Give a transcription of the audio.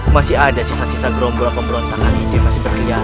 masih ada sisa sisa gerombola pemberontakan itu yang masih berkeliaran